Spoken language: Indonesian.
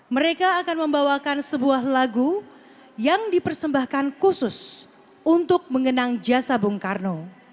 mereka akan membawakan sebuah lagu yang dipersembahkan khusus untuk mengenang jasa bung karno